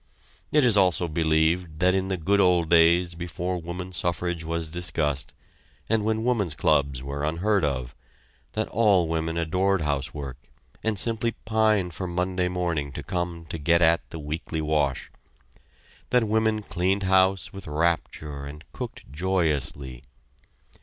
It is also believed that in the good old days before woman suffrage was discussed, and when woman's clubs were unheard of, that all women adored housework, and simply pined for Monday morning to come to get at the weekly wash; that women cleaned house with rapture and cooked joyously.